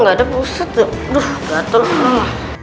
gaada pak ustaz